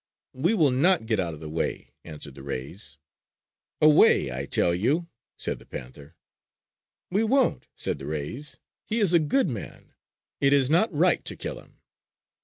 "We will not get out of the way," answered the rays. "Away, I tell you!" said the panther. "We won't!" said the rays. "He is a good man. It is not right to kill him!"